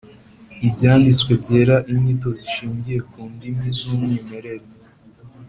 Ibyanditswe Byera inyito zishingiye ku ndimi z umwimerere